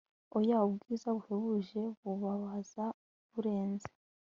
Oya ubwiza buhebuje bubabaza burenze